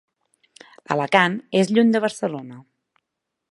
Alacant és lluny de Barcelona.